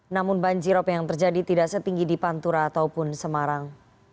namun banjirop yang terjadi tidak setinggi di pantura ataupun semarang